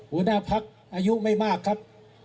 หัวหน้าพักอายุไม่มากครับ